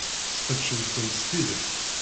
Sqedcent-kent s tidet.